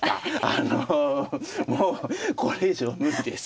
あのもうこれ以上無理です。